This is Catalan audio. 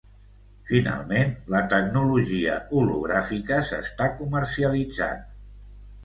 Finalment, la tecnologia hologràfica s'està comercialitzant.